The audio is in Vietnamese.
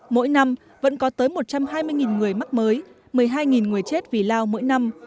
mỗi năm vẫn có tới một trăm hai mươi người mắc mới một mươi hai người chết vì lao mỗi năm